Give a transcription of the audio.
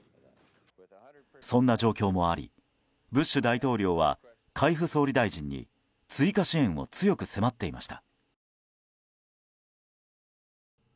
そんな状況もありブッシュ大統領は海部総理大臣に追加支援を強く迫っていました。